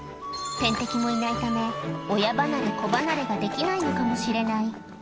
天敵もいないため、親離れ、子離れができないのかもしれない。